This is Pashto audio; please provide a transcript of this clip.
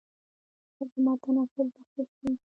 ایا زما تنفس به ښه شي؟